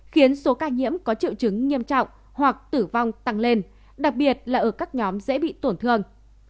khiến số ca nhiễm có triệu chứng nghiêm trọng hoặc tử vong tăng lên đặc biệt là ở các nhóm dễ bị tổn thương